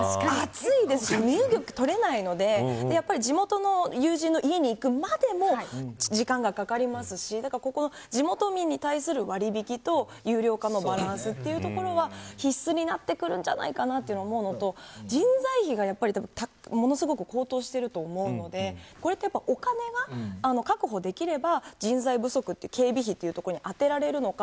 暑いですし、身動き取れないので地元の友人の家に行くまでも時間がかかりますし地元民に対する割引と有料化のバランスというところは必須になってくるんじゃないかなと思うのと人材費がやっぱりものすごく高騰していると思うのでこれってお金が確保できれば人材不足って警備費に充てられるのか。